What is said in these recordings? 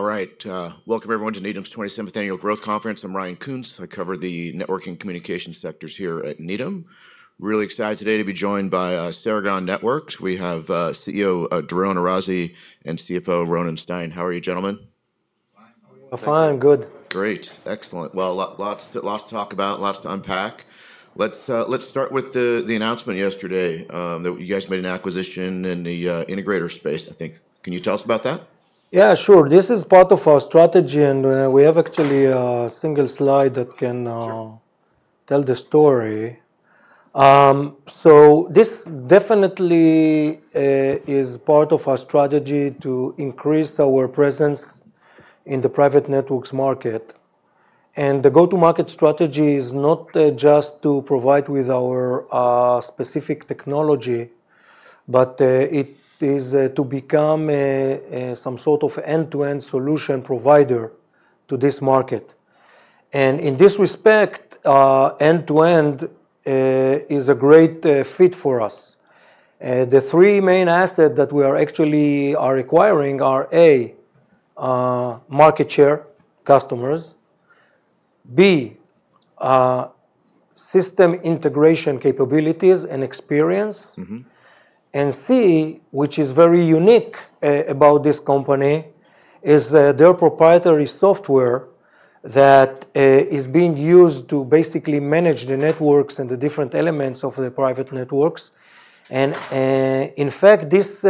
All right. Welcome, everyone, to Needham's 27th Annual Growth Conference. I'm Ryan Koontz. I cover the networking and communication sectors here at Needham. Really excited today to be joined by Ceragon Networks. We have CEO Doron Arazi, and CFO Ronen Stein. How are you, gentlemen? Fine. I'm fine. Good. Great. Excellent. Well, lots to talk about, lots to unpack. Let's start with the announcement yesterday that you guys made an acquisition in the integrator space, I think. Can you tell us about that? Yeah, sure. This is part of our strategy, and we have actually a single slide that can tell the story, so this definitely is part of our strategy to increase our presence in the private networks market, and the go-to-market strategy is not just to provide with our specific technology, but it is to become some sort of end-to-end solution provider to this market, and in this respect, end-to-end is a great fit for us. The three main assets that we are actually requiring are: A, market share, customers; B, system integration capabilities and experience; and C, which is very unique about this company, is their proprietary software that is being used to basically manage the networks and the different elements of the private networks, and in fact, this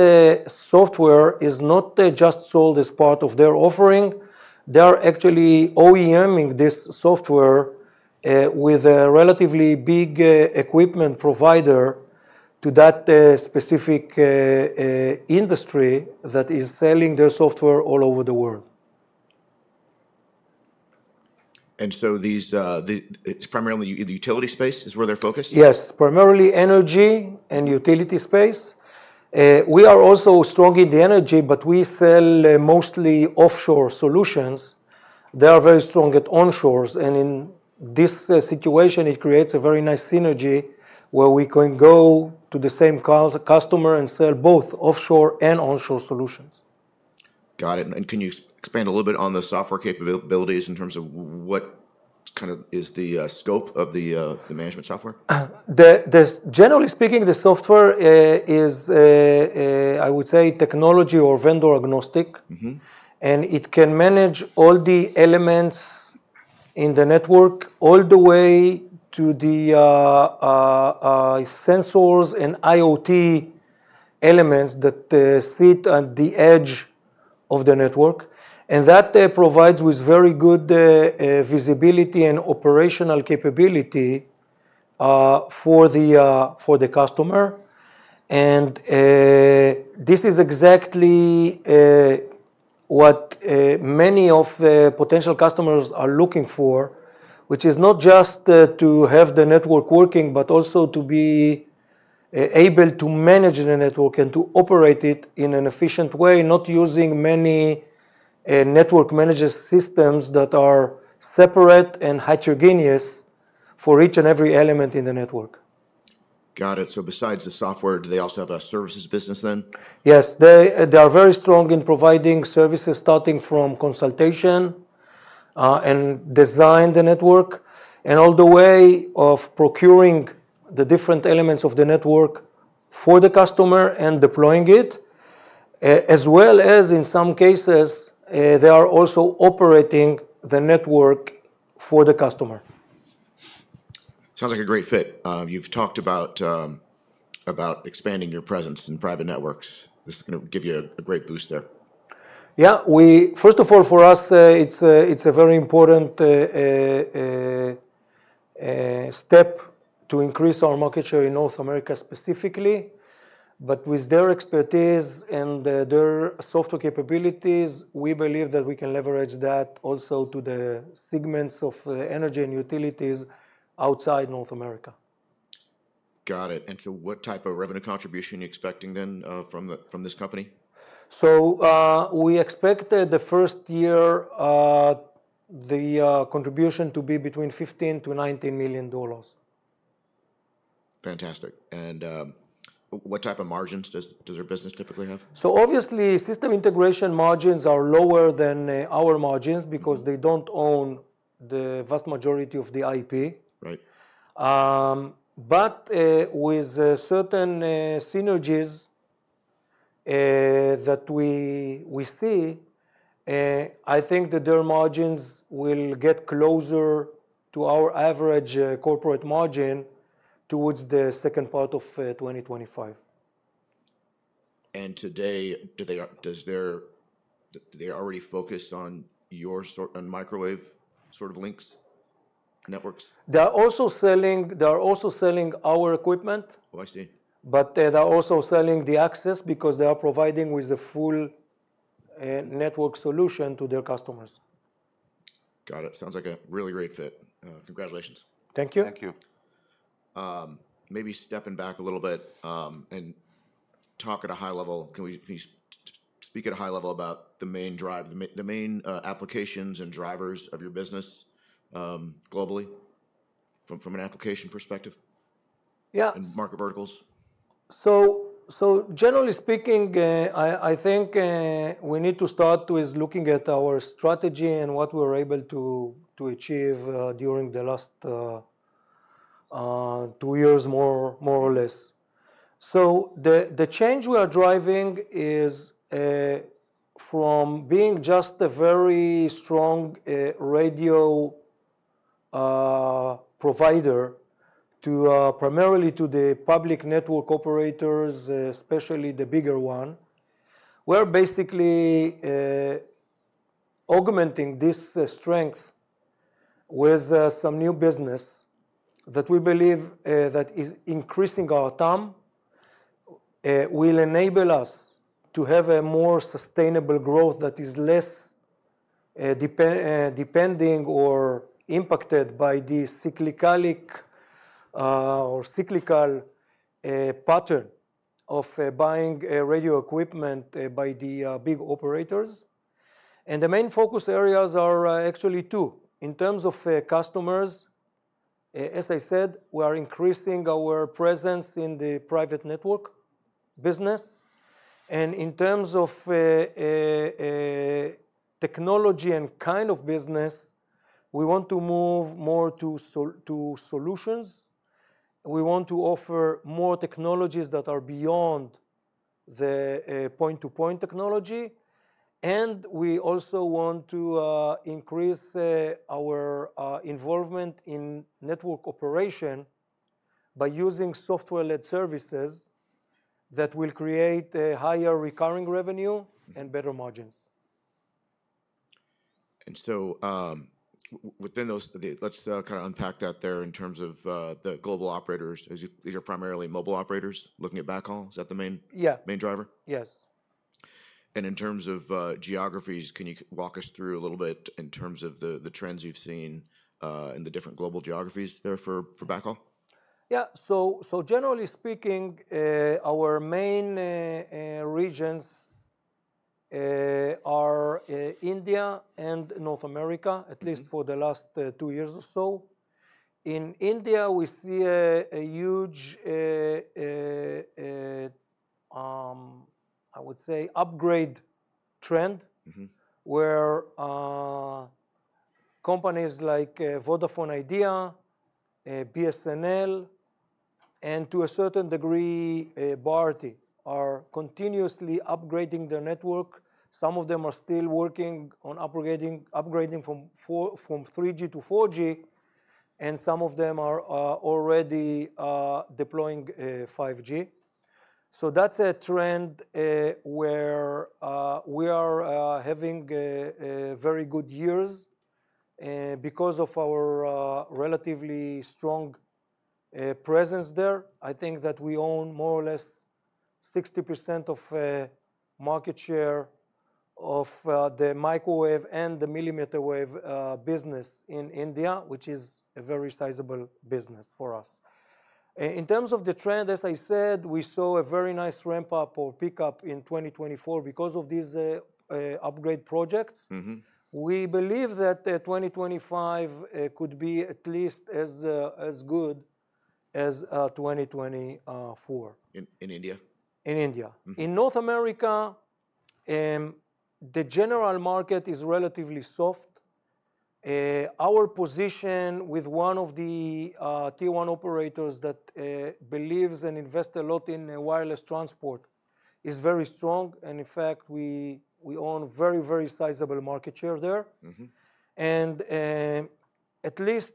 software is not just sold as part of their offering. They are actually OEMing this software with a relatively big equipment provider to that specific industry that is selling their software all over the world. It's primarily the utility space is where they're focused? Yes, primarily energy and utility space. We are also strong in the energy, but we sell mostly offshore solutions. They are very strong at onshores. And in this situation, it creates a very nice synergy where we can go to the same customer and sell both offshore and onshore solutions. Got it. And can you expand a little bit on the software capabilities in terms of what kind of is the scope of the management software? Generally speaking, the software is, I would say, technology or vendor agnostic. And it can manage all the elements in the network, all the way to the sensors and IoT elements that sit at the edge of the network. And that provides with very good visibility and operational capability for the customer. And this is exactly what many of the potential customers are looking for, which is not just to have the network working, but also to be able to manage the network and to operate it in an efficient way, not using many network manager systems that are separate and heterogeneous for each and every element in the network. Got it, so besides the software, do they also have a services business then? Yes. They are very strong in providing services, starting from consultation and design of the network, and all the way of procuring the different elements of the network for the customer and deploying it, as well as, in some cases, they are also operating the network for the customer. Sounds like a great fit. You've talked about expanding your presence in private networks. This is going to give you a great boost there. Yeah. First of all, for us, it's a very important step to increase our market share in North America specifically. But with their expertise and their software capabilities, we believe that we can leverage that also to the segments of energy and utilities outside North America. Got it. And so what type of revenue contribution are you expecting then from this company? We expect the first year, the contribution to be between $15-$19 million. Fantastic, and what type of margins does their business typically have? Obviously, system integration margins are lower than our margins because they don't own the vast majority of the IP. With certain synergies that we see, I think that their margins will get closer to our average corporate margin towards the second part of 2025. Today, do they already focus on your microwave sort of links networks? They are also selling our equipment. Oh, I see. But they are also selling the access because they are providing with a full network solution to their customers. Got it. Sounds like a really great fit. Congratulations. Thank you. Thank you. Maybe stepping back a little bit and talk at a high level, can you speak at a high level about the main drive, the main applications and drivers of your business globally from an application perspective? Yeah. Market verticals? So generally speaking, I think we need to start with looking at our strategy and what we were able to achieve during the last two years, more or less. So the change we are driving is from being just a very strong radio provider primarily to the public network operators, especially the bigger one. We're basically augmenting this strength with some new business that we believe that is increasing our TAM. It will enable us to have a more sustainable growth that is less depending or impacted by the cyclical pattern of buying radio equipment by the big operators. And the main focus areas are actually two. In terms of customers, as I said, we are increasing our presence in the private network business. And in terms of technology and kind of business, we want to move more to solutions. We want to offer more technologies that are beyond the point-to-point technology. We also want to increase our involvement in network operation by using software-led services that will create higher recurring revenue and better margins. And so within those, let's kind of unpack that there in terms of the global operators. These are primarily mobile operators looking at backhaul. Is that the main driver? Yeah. Yes. In terms of geographies, can you walk us through a little bit in terms of the trends you've seen in the different global geographies there for backhaul? Yeah, so generally speaking, our main regions are India and North America, at least for the last two years or so. In India, we see a huge, I would say, upgrade trend where companies like Vodafone Idea, BSNL, and to a certain degree, Bharti are continuously upgrading their network. Some of them are still working on upgrading from 3G-4G, and some of them are already deploying 5G. So that's a trend where we are having very good years because of our relatively strong presence there. I think that we own more or less 60% of market share of the microwave and the millimeter wave business in India, which is a very sizable business for us. In terms of the trend, as I said, we saw a very nice ramp-up or pickup in 2024 because of these upgrade projects. We believe that 2025 could be at least as good as 2024. In India? In India. In North America, the general market is relatively soft. Our position with one of the Tier 1 operators that believes and invests a lot in wireless transport is very strong, and in fact, we own very, very sizable market share there, and at least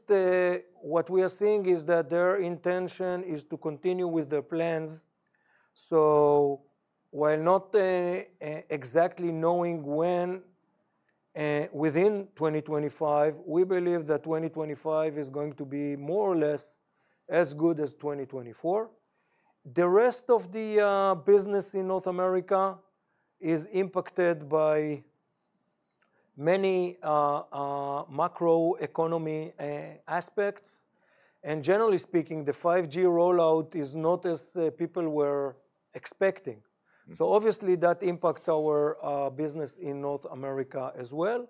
what we are seeing is that their intention is to continue with their plans, so while not exactly knowing when within 2025, we believe that 2025 is going to be more or less as good as 2024. The rest of the business in North America is impacted by many macroeconomic aspects, and generally speaking, the 5G rollout is not as people were expecting, so obviously, that impacts our business in North America as well.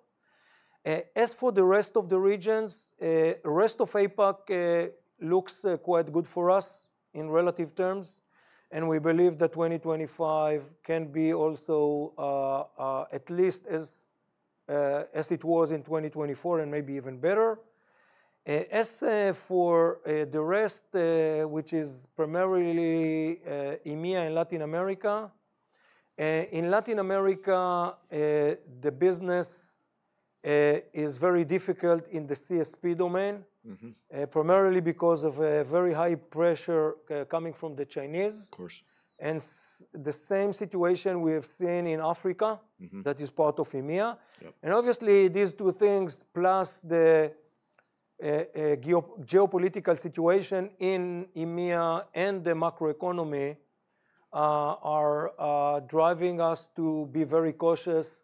As for the rest of the regions, the rest of APAC looks quite good for us in relative terms. We believe that 2025 can be also at least as it was in 2024 and maybe even better. As for the rest, which is primarily EMEA and Latin America, in Latin America, the business is very difficult in the CSP domain, primarily because of very high pressure coming from the Chinese. Of course. And the same situation we have seen in Africa that is part of EMEA. And obviously, these two things, plus the geopolitical situation in EMEA and the macroeconomy, are driving us to be very cautious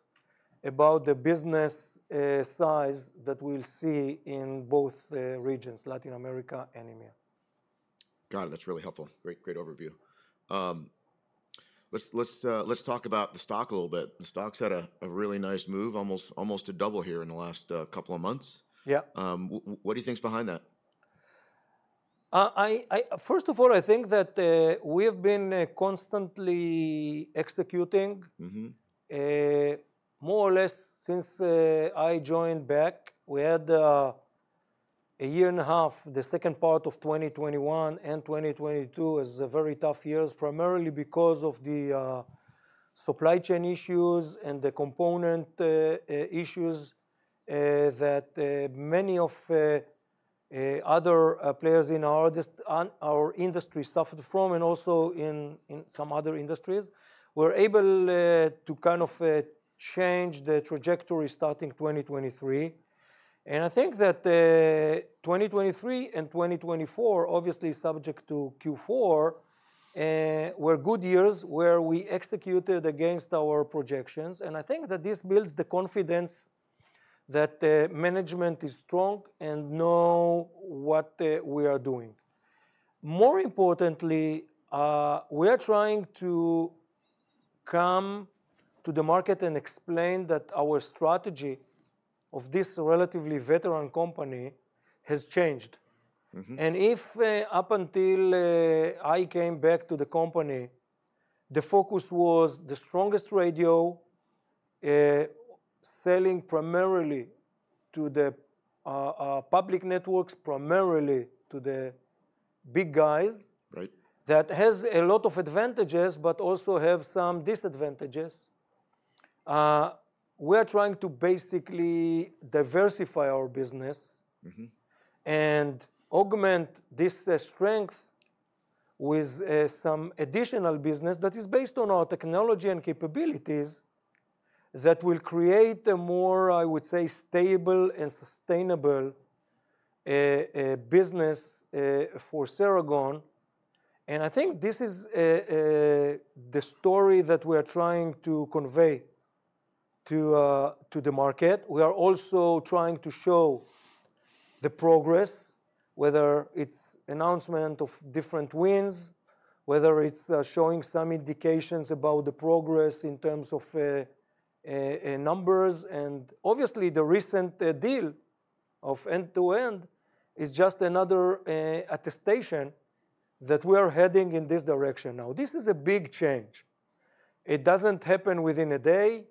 about the business size that we'll see in both regions, Latin America and EMEA. Got it. That's really helpful. Great overview. Let's talk about the stock a little bit. The stock's had a really nice move, almost a double here in the last couple of months. Yeah. What do you think's behind that? First of all, I think that we have been constantly executing more or less since I joined back. We had a year and a half, the second part of 2021 and 2022, as very tough years, primarily because of the supply chain issues and the component issues that many of the other players in our industry suffered from and also in some other industries. We were able to kind of change the trajectory starting 2023. And I think that 2023 and 2024, obviously subject to Q4, were good years where we executed against our projections. And I think that this builds the confidence that management is strong and know what we are doing. More importantly, we are trying to come to the market and explain that our strategy of this relatively veteran company has changed. And up until I came back to the company, the focus was the strongest radio selling primarily to the public networks, primarily to the big guys that have a lot of advantages, but also have some disadvantages. We are trying to basically diversify our business and augment this strength with some additional business that is based on our technology and capabilities that will create a more, I would say, stable and sustainable business for Ceragon. And I think this is the story that we are trying to convey to the market. We are also trying to show the progress, whether it's announcement of different wins, whether it's showing some indications about the progress in terms of numbers. And obviously, the recent deal of E2E is just another attestation that we are heading in this direction. Now, this is a big change. It doesn't happen within a day,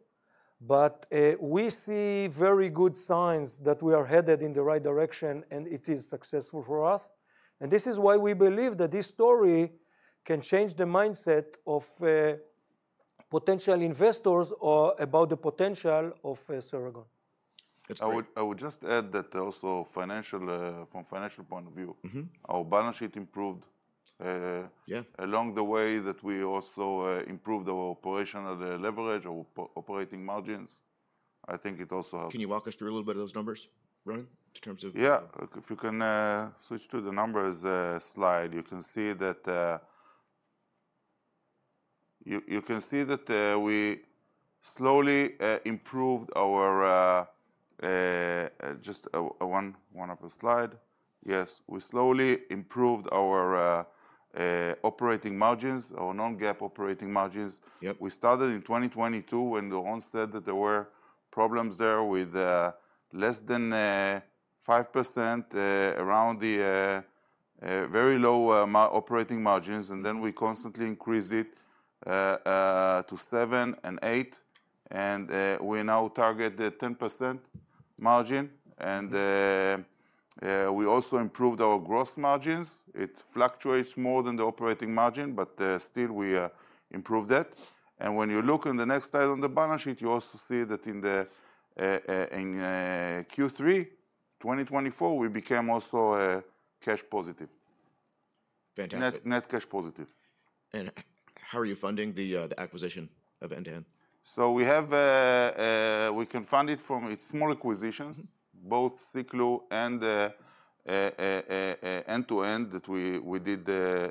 but we see very good signs that we are headed in the right direction, and it is successful for us, and this is why we believe that this story can change the mindset of potential investors about the potential of Ceragon. I would just add that also from a financial point of view, our balance sheet improved along the way, that we also improved our operational leverage, our operating margins. I think it also has. Can you walk us through a little bit of those numbers, Ronen, in terms of? Yeah. If you can switch to the numbers slide, you can see that we slowly improved our operating margins, our Non-GAAP operating margins. We started in 2022 when Ron said that there were problems there with less than 5% around the very low operating margins. And then we constantly increased it to 7% and 8%. And we now target the 10% margin. And we also improved our gross margins. It fluctuates more than the operating margin, but still, we improved that. And when you look on the next slide on the balance sheet, you also see that in Q3 2024, we became also cash positive. Fantastic. Net cash positive. How are you funding the acquisition of E2E? So we can fund it from small acquisitions, both Siklu and E2E that we did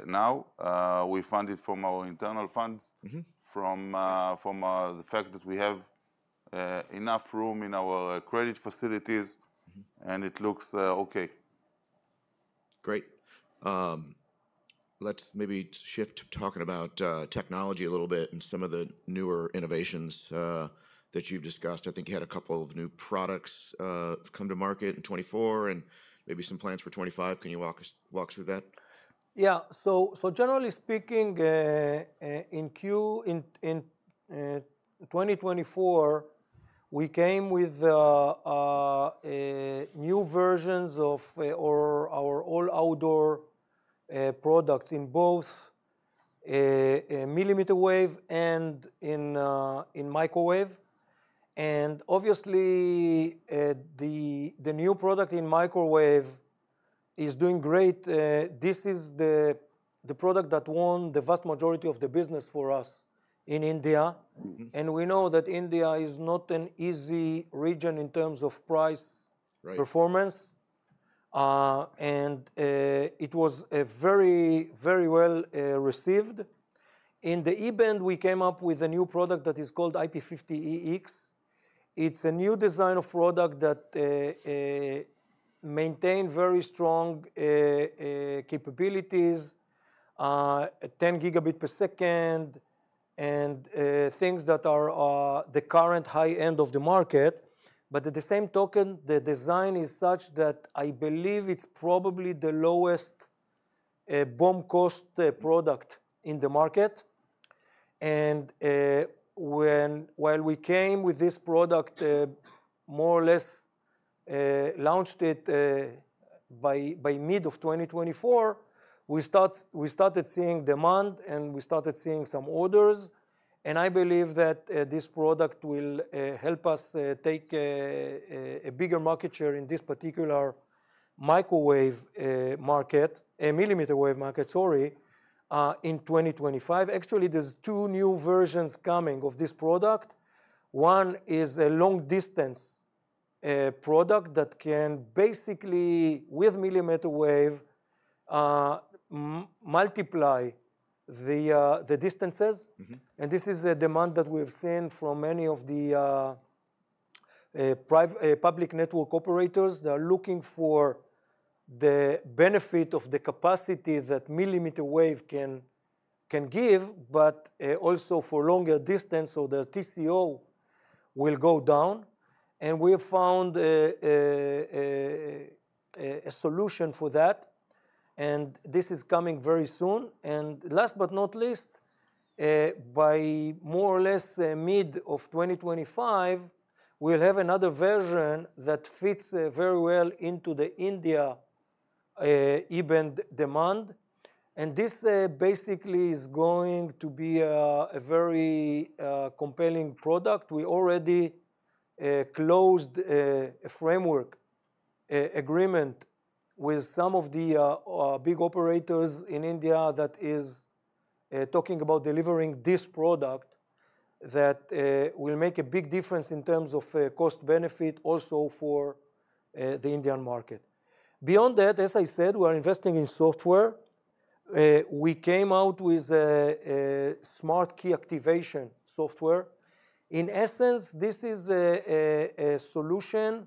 now. We fund it from our internal funds, from the fact that we have enough room in our credit facilities, and it looks okay. Great. Let's maybe shift to talking about technology a little bit and some of the newer innovations that you've discussed. I think you had a couple of new products come to market in 2024 and maybe some plans for 2025. Can you walk us through that? Yeah. So generally speaking, in Q2 2024, we came with new versions of our all-outdoor products in both millimeter wave and in microwave. And obviously, the new product in microwave is doing great. This is the product that won the vast majority of the business for us in India. And we know that India is not an easy region in terms of price performance. And it was very, very well received. In the E-band, we came up with a new product that is called IP-50EX. It's a new design of product that maintains very strong capabilities, 10 gigabit per second, and things that are the current high end of the market. But at the same token, the design is such that I believe it's probably the lowest cost product in the market. And while we came with this product, more or less launched it by mid of 2024, we started seeing demand and we started seeing some orders. And I believe that this product will help us take a bigger market share in this particular microwave market, millimeter wave market, sorry, in 2025. Actually, there's two new versions coming of this product. One is a long-distance product that can basically, with millimeter wave, multiply the distances. And this is a demand that we have seen from many of the public network operators that are looking for the benefit of the capacity that millimeter wave can give, but also for longer distance so their TCO will go down. And we have found a solution for that. And this is coming very soon. Last but not least, by more or less mid of 2025, we'll have another version that fits very well into the India E-band demand. This basically is going to be a very compelling product. We already closed a framework agreement with some of the big operators in India that is talking about delivering this product that will make a big difference in terms of cost benefit also for the Indian market. Beyond that, as I said, we are investing in software. We came out with a smart key activation software. In essence, this is a solution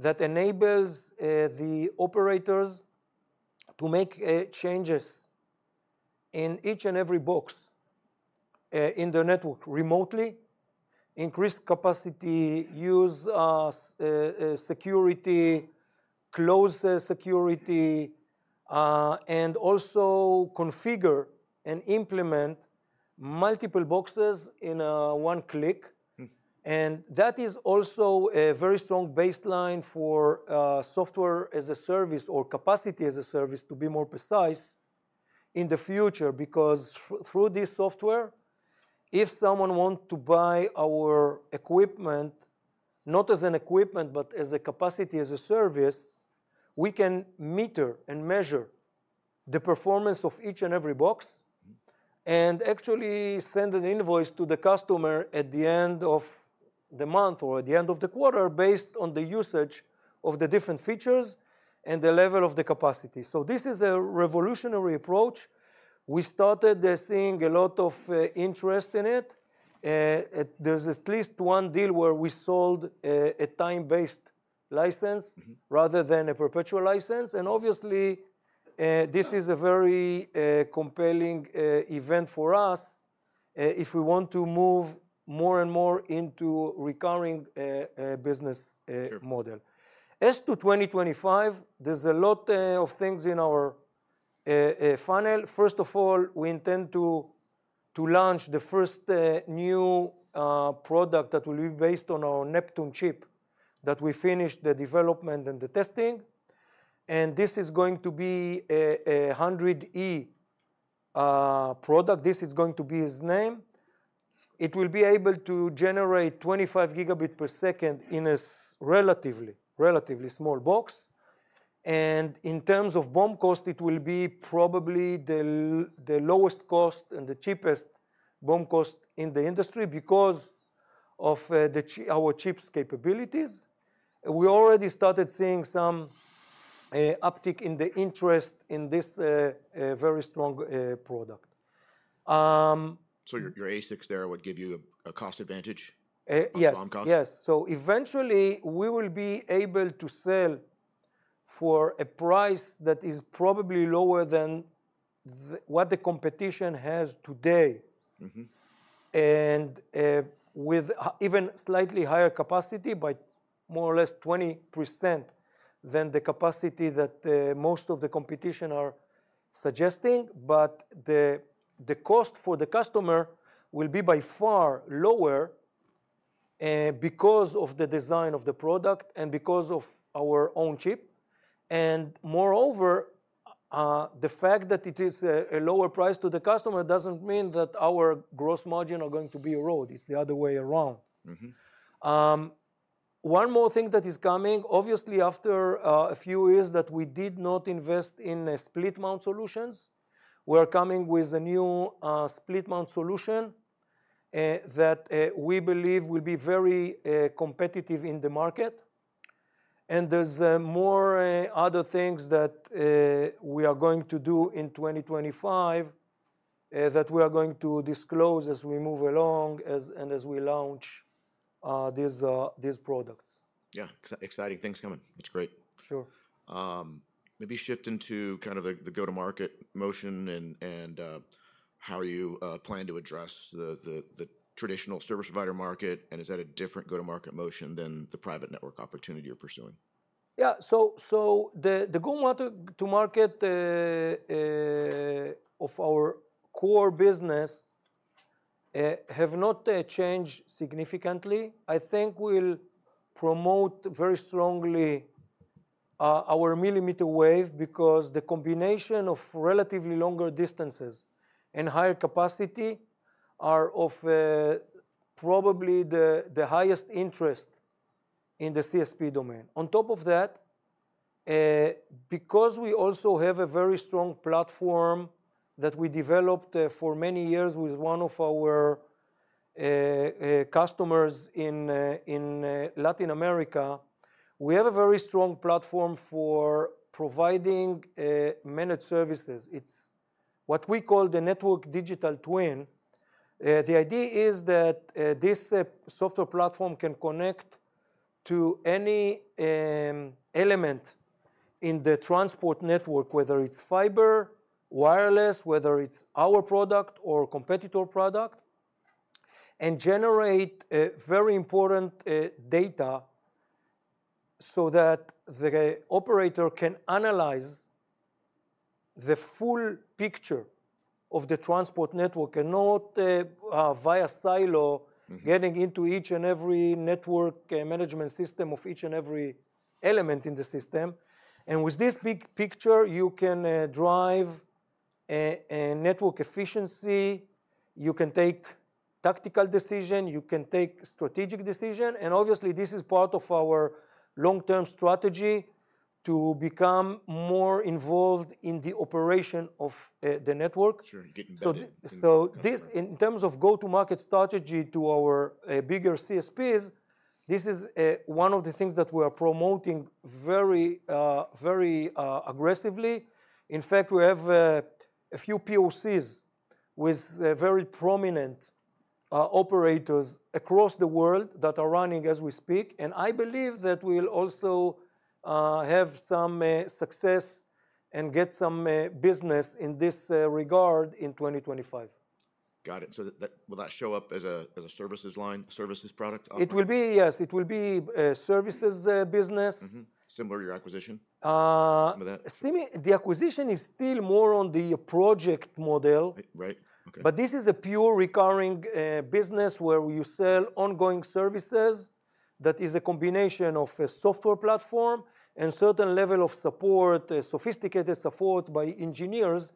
that enables the operators to make changes in each and every box in the network remotely, increase capacity, use security, close security, and also configure and implement multiple boxes in one click. And that is also a very strong baseline for software as a service or capacity as a service, to be more precise in the future, because through this software, if someone wants to buy our equipment, not as an equipment, but as a capacity as a service, we can meter and measure the performance of each and every box and actually send an invoice to the customer at the end of the month or at the end of the quarter based on the usage of the different features and the level of the capacity. So this is a revolutionary approach. We started seeing a lot of interest in it. There's at least one deal where we sold a time-based license rather than a perpetual license. And obviously, this is a very compelling event for us if we want to move more and more into a recurring business model. As to 2025, there's a lot of things in our funnel. First of all, we intend to launch the first new product that will be based on our Neptune chip that we finished the development and the testing, and this is going to be a 100E product. This is going to be its name. It will be able to generate 25 gigabit per second in a relatively small box, and in terms of bomb cost, it will be probably the lowest cost and the cheapest bomb cost in the industry because of our chip's capabilities. We already started seeing some uptick in the interest in this very strong product. So your ASICs there would give you a cost advantage? Yes. For BoM cost? Yes. So eventually, we will be able to sell for a price that is probably lower than what the competition has today and with even slightly higher capacity by more or less 20% than the capacity that most of the competition are suggesting. But the cost for the customer will be by far lower because of the design of the product and because of our own chip. And moreover, the fact that it is a lower price to the customer doesn't mean that our gross margin is going to be eroded. It's the other way around. One more thing that is coming, obviously after a few years that we did not invest in split-mount solutions, we are coming with a new split-mount solution that we believe will be very competitive in the market. There's more other things that we are going to do in 2025 that we are going to disclose as we move along and as we launch these products. Yeah. Exciting things coming. That's great. Sure. Maybe shift into kind of the go-to-market motion and how you plan to address the traditional service provider market, and is that a different go-to-market motion than the private network opportunity you're pursuing? Yeah. So the go-to-market of our core business has not changed significantly. I think we'll promote very strongly our millimeter wave because the combination of relatively longer distances and higher capacity are of probably the highest interest in the CSP domain. On top of that, because we also have a very strong platform that we developed for many years with one of our customers in Latin America, we have a very strong platform for providing managed services. It's what we call the Network Digital Twin. The idea is that this software platform can connect to any element in the transport network, whether it's fiber, wireless, whether it's our product or competitor product, and generate very important data so that the operator can analyze the full picture of the transport network and not via silo getting into each and every network management system of each and every element in the system. And with this big picture, you can drive network efficiency. You can take tactical decisions. You can take strategic decisions. And obviously, this is part of our long-term strategy to become more involved in the operation of the network. Sure. Getting better. This, in terms of go-to-market strategy to our bigger CSPs, this is one of the things that we are promoting very, very aggressively. In fact, we have a few POCs with very prominent operators across the world that are running as we speak. I believe that we'll also have some success and get some business in this regard in 2025. Got it. So will that show up as a services line, services product? It will be, yes. It will be a services business. Similar to your acquisition? The acquisition is still more on the project model. Right. Okay. But this is a pure recurring business where you sell ongoing services that is a combination of a software platform and a certain level of support, sophisticated support by engineers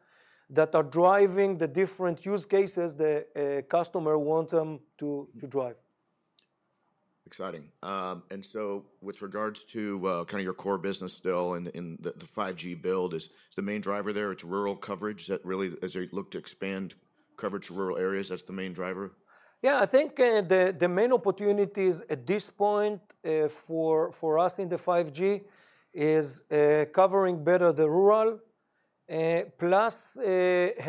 that are driving the different use cases the customer wants them to drive. Exciting, and so with regards to kind of your core business still in the 5G build, is the main driver there? It's rural coverage that really, as you look to expand coverage to rural areas, that's the main driver? Yeah. I think the main opportunities at this point for us in the 5G is covering better the rural, plus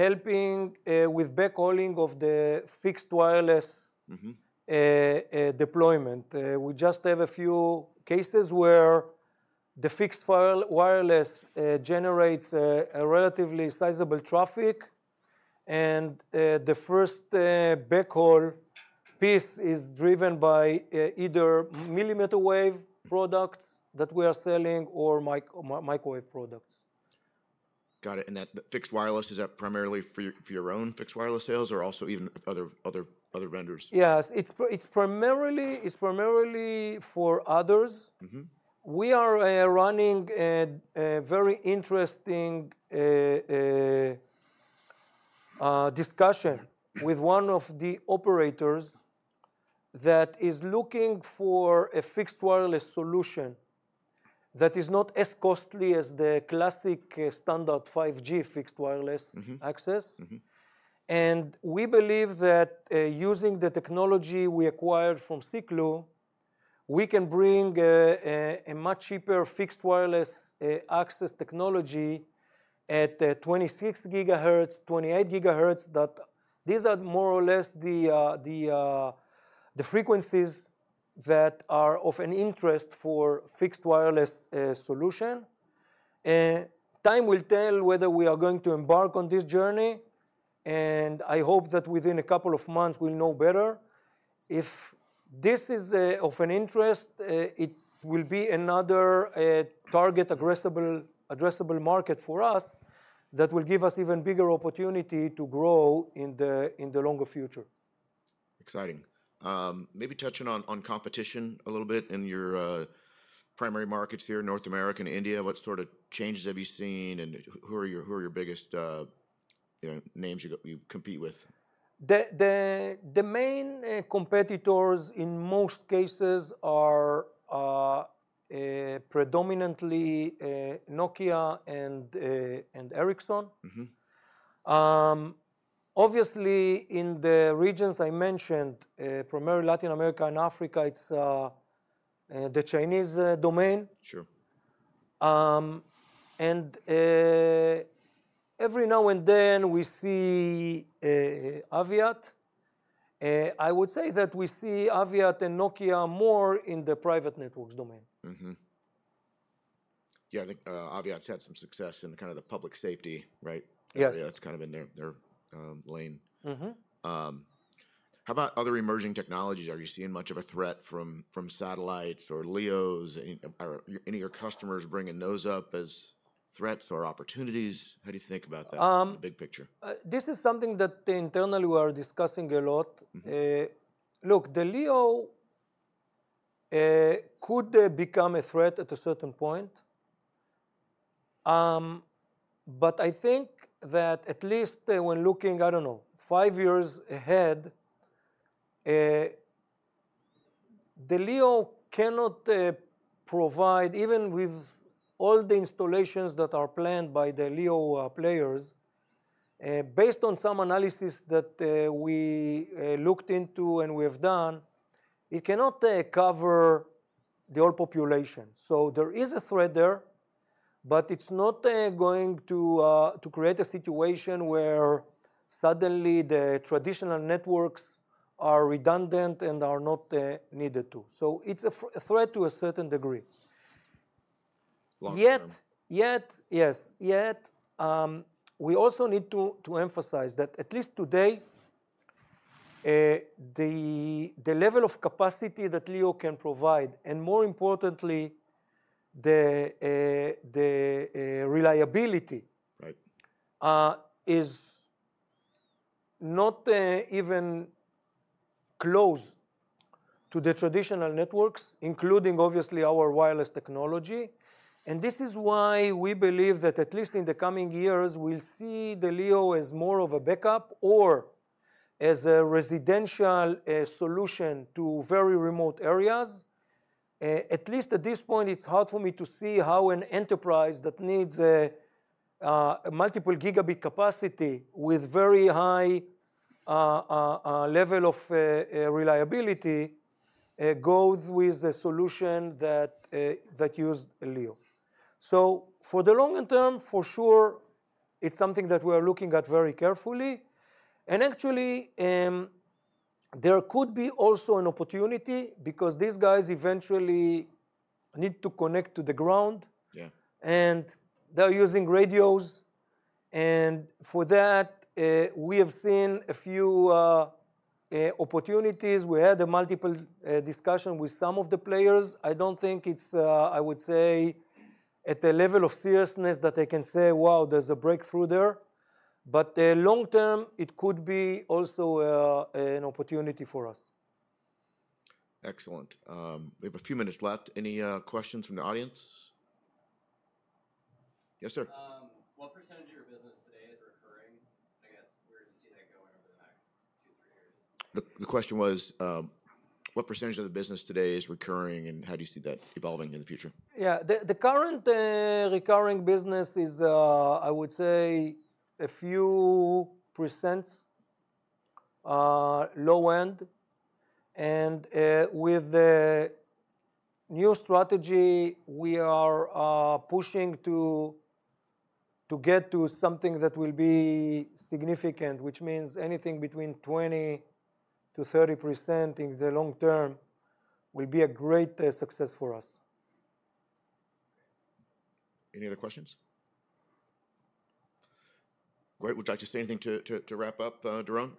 helping with backhauling of the fixed wireless deployment. We just have a few cases where the fixed wireless generates a relatively sizable traffic. And the first backhaul piece is driven by either millimeter wave products that we are selling or microwave products. Got it. And that fixed wireless, is that primarily for your own fixed wireless sales or also even other vendors? Yes. It's primarily for others. We are running a very interesting discussion with one of the operators that is looking for a fixed wireless solution that is not as costly as the classic standard 5G fixed wireless access, and we believe that using the technology we acquired from Siklu, we can bring a much cheaper fixed wireless access technology at 26 gigahertz, 28 gigahertz. These are more or less the frequencies that are of an interest for fixed wireless solution. Time will tell whether we are going to embark on this journey, and I hope that within a couple of months, we'll know better. If this is of an interest, it will be another target addressable market for us that will give us even bigger opportunity to grow in the longer future. Exciting. Maybe touching on competition a little bit in your primary markets here, North America and India. What sort of changes have you seen and who are your biggest names you compete with? The main competitors in most cases are predominantly Nokia and Ericsson. Obviously, in the regions I mentioned, primarily Latin America and Africa, it's the Chinese domain. Sure. Every now and then, we see Aviat. I would say that we see Aviat and Nokia more in the private networks domain. Yeah. I think Aviat's had some success in kind of the public safety, right? Yes. That's kind of in their lane. How about other emerging technologies? Are you seeing much of a threat from satellites or LEOs? Are any of your customers bringing those up as threats or opportunities? How do you think about that, the big picture? This is something that internally we are discussing a lot. Look, the LEO could become a threat at a certain point. But I think that at least when looking, I don't know, five years ahead, the LEO cannot provide, even with all the installations that are planned by the LEO players, based on some analysis that we looked into and we have done, it cannot cover the whole population. So there is a threat there, but it's not going to create a situation where suddenly the traditional networks are redundant and are not needed to. So it's a threat to a certain degree. Long-term? Yes. Yet. We also need to emphasize that at least today, the level of capacity that LEO can provide, and more importantly, the reliability is not even close to the traditional networks, including obviously our wireless technology, and this is why we believe that at least in the coming years, we'll see the LEO as more of a backup or as a residential solution to very remote areas. At least at this point, it's hard for me to see how an enterprise that needs multiple gigabit capacity with very high level of reliability goes with a solution that used LEO, so for the longer term, for sure, it's something that we are looking at very carefully, and actually, there could be also an opportunity because these guys eventually need to connect to the ground, and they're using radios, and for that, we have seen a few opportunities. We had multiple discussions with some of the players. I don't think it's, I would say, at the level of seriousness that they can say, "Wow, there's a breakthrough there." But long-term, it could be also an opportunity for us. Excellent. We have a few minutes left. Any questions from the audience? Yes, sir. What percentage of your business today is recurring? I guess where do you see that going over the next two, three years? The question was, what percentage of the business today is recurring, and how do you see that evolving in the future? Yeah. The current recurring business is, I would say, a few percent low-end, and with the new strategy, we are pushing to get to something that will be significant, which means anything between 20%-30% in the long-term will be a great success for us. Any other questions? Great. Would you like to say anything to wrap up, Doron?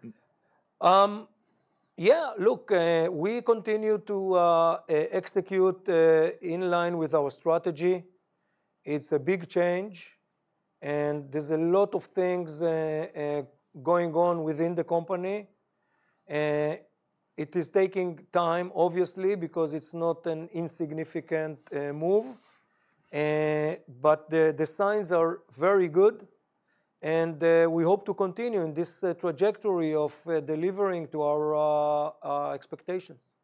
Yeah. Look, we continue to execute in line with our strategy. It's a big change, and there's a lot of things going on within the company. It is taking time, obviously, because it's not an insignificant move, but the signs are very good, and we hope to continue in this trajectory of delivering to our expectations.